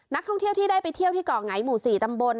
นักท่องเที่ยวที่ได้ไปเที่ยวที่เกาะไงหมู่๔ตำบล